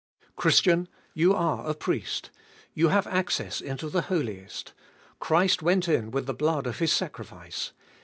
Christian, you are a priest! You have access into the Holiest ! Christ went in with the blood of His sacrifice.